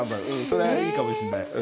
それはいいかもしんない。